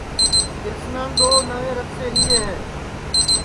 کرشنان دؔو نئوئے رکسے لیئے ہے